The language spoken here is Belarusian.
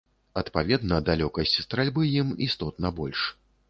Адпаведна, далёкасць стральбы ім істотна больш.